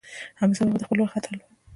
حمزه بابا د خپل وخت اتل و.